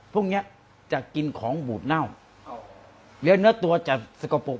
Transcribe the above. พวกเนี้ยจะกินของบูดเน่าแล้วเนื้อตัวจะสกปรก